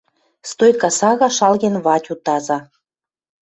Стойка сага шалген Ватю таза.